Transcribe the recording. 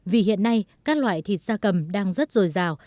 vì hiện nay các loại thịt gia cầm đang rất rồi rào